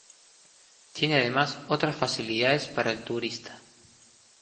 Tiene además otras facilidades para el turista.